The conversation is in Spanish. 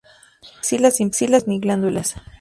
Axilas sin pelos ni glándulas.